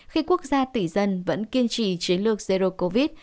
khi quốc gia tỷ dân vẫn kiên trì chiến lược zero covid